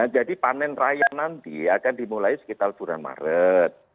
jadi panen raya nanti akan dimulai sekitar bulan maret